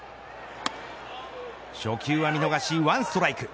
初球は見逃し、１ストライク。